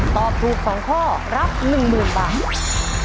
ตอบถูก๒ข้อรับ๑๐๐๐บาท